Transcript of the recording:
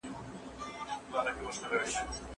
د دلارام خلک تل د خپلي سیمې د پرمختګ غوښتونکي دي